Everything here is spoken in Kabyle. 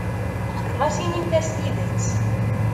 Ɣas inimt-as tidet.